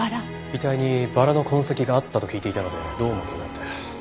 遺体にバラの痕跡があったと聞いていたのでどうも気になって。